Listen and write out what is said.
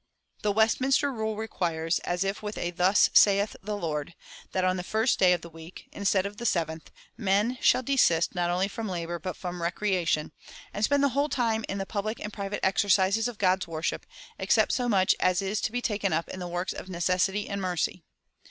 The Westminster rule requires, as if with a "Thus saith the Lord," that on the first day of the week, instead of the seventh, men shall desist not only from labor but from recreation, and "spend the whole time in the public and private exercises of God's worship, except so much as is to be taken up in the works of necessity and mercy."